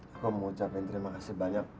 aku mau ucapin terima kasih banyak